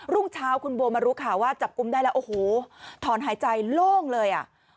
รุ่งเช้าคุณบัวมารู้ข่าวว่าจับกลุ่มได้แล้วโอ้โหถอนหายใจโล่งเลยอ่ะ